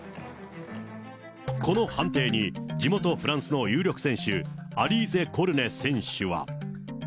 この判定に、地元フランスの有力選手、アリーゼ・コルネ選手は。